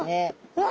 うわ！